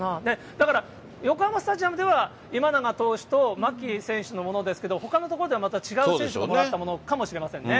だから横浜スタジアムでは今永投手と牧選手のものですけれども、ほかの所ではまた違う選手のもらったものかもしれませんね。